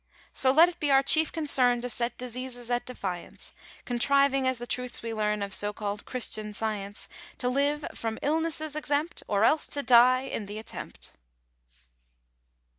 So let it be our chief concern To set diseases at defiance, Contriving, as the truths we learn Of so called Christian Science, To live from illnesses exempt, Or else to die in the attempt!